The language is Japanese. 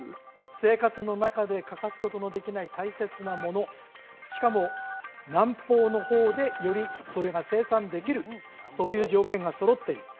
生活の中で欠かすことのできない大切なものしかも南方の方でよりそれが生産できるそういう条件が揃っている